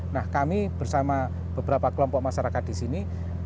nah kami bersama beberapa kelompok masyarakat di sini